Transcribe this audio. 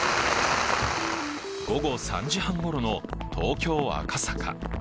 午後３時半ごろの東京・赤坂。